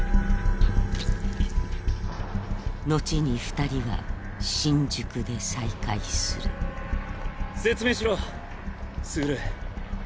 後に二人は新宿で再会する・説明しろ傑。